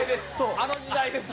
あの時代ですね。